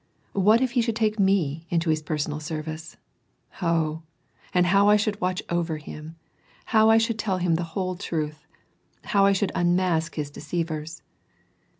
What if he should take me in to his personal service ! oh ! how I should watch over him, how I should tell him the whole truth, how I should unmask his deceivers